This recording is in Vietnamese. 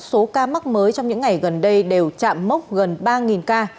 số ca mắc mới trong những ngày gần đây đều chạm mốc gần ba ca